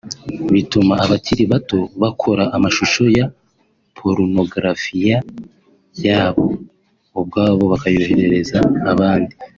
bituma abakira bato bakora amashusho ya porunogarafiya yabo ubwabo bakayoherereza abandi